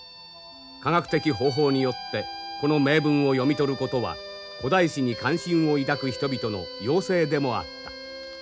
科学的方法によってこの銘文を読み取ることは古代史に関心を抱く人々の要請でもあった。